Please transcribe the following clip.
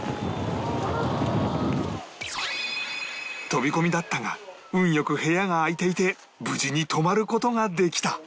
飛び込みだったが運良く部屋が空いていて無事に泊まる事ができた